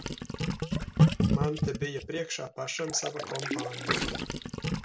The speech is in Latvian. Man te bija priekšā pašam sava kompānija.